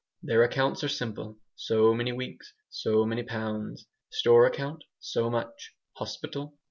Their accounts are simple: so many weeks, so many pounds; store account, so much; hospital?